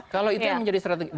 kalau itu yang menjadi strategi